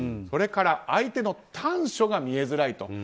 それから相手の短所が見えづらいと。